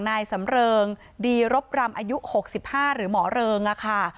นายสำเริงดีรบรำอายุ๖๕หรือหมอเริงค่ะ